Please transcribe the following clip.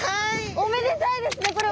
おめでタイですねこれは。